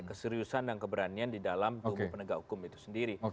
keseriusan dan keberanian di dalam tubuh penegak hukum itu sendiri